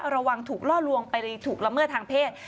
ระวังถูกล่อลวงไปถูกละเมิดทางเพศ